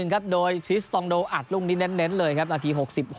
ครับโดยทริสตองโดอัดลูกนี้เน้นเลยครับนาที๖๖